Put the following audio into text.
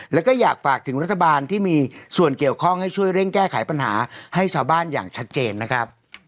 แล้วก็อยากฝากถึงรัฐบาลที่มีส่วนเกี่ยวข้องให้ช่วยเร่งแก้ไขปัญหาให้ชาวบ้านอย่างชัดเจนนะครับ